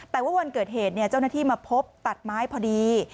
แต่ว่าวันเกิดเหตุเจ้าหน้าที่มาพบตัดไม้พอดี